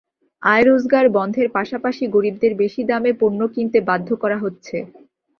আয়-রোজগার বন্ধের পাশাপাশি গরিবদের বেশি দামে পণ্য কিনতে বাধ্য করা হচ্ছে।